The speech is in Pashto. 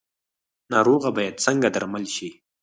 ناروغه باید څنګه درمل شي؟